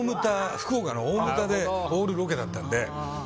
福岡の大牟田でオールロケだったので。